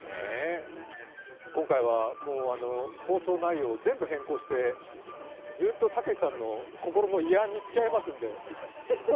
今回は放送内容を全部変更してずっとたけしさんの心の慰安に付き合いますんで。